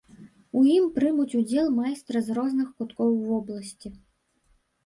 У ім прымуць удзел майстры з розных куткоў вобласці.